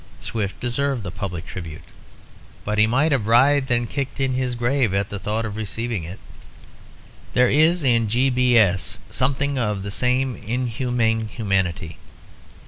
Swift deserved the public tribute; but he might have writhed and kicked in his grave at the thought of receiving it. There is in G. B. S. something of the same inhumane humanity.